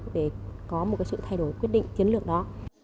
để có một sự thay đổi quyết định chiến lược đó